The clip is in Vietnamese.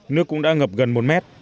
nước cũng đã ngập gần một mét